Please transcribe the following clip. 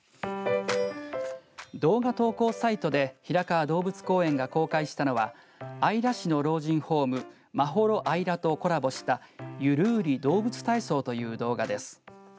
動画投稿サイトで平川動物公園が公開したのは姶良市の老人ホーム、まほろあいらとコラボしたゆるりどうぶつ体操という動画です。